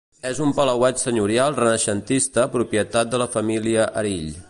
És un palauet senyorial renaixentista propietat de la família Erill.